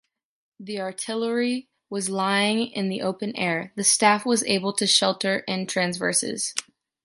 The artillery was lying in the open air, the staff was able to shelter in traverses.